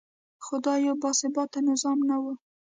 خو دا یو باثباته نظام نه و.